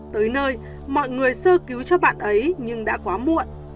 tới nơi mọi người sơ cứu cho bạn ấy nhưng đã quá muộn